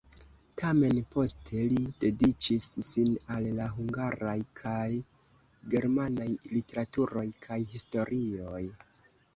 Tamen poste li dediĉis sin al la hungaraj kaj germanaj literaturoj kaj historioj.